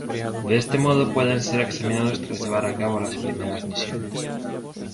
De este modo pueden ser examinados tras llevar a cabo las primeras misiones.